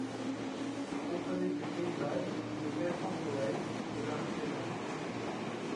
Vous comprenez que Peyrade ou le père Canquoëlle de la rue des Moineaux...